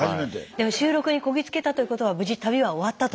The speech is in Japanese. でも収録にこぎつけたということは無事旅は終わったということですからね。